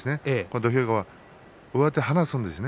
土俵際、上手を離すんですね。